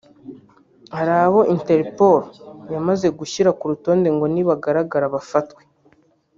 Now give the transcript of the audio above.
hari abo Interpol yamaze gushyira ku rutonde ngo nibagaragara bafatwe